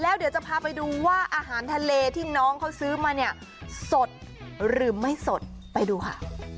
แล้วเดี๋ยวจะพาไปดูว่าอาหารทะเลที่น้องเขาซื้อมาเนี่ยสดหรือไม่สดไปดูค่ะ